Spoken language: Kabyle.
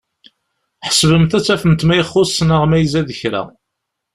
Ḥesbemt ad tafemt ma ixuṣ neɣ ma izad kra.